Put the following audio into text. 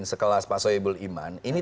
sekelas pak soebul iman ini